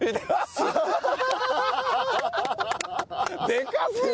でかすぎ！